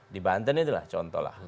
di banten itulah contoh lah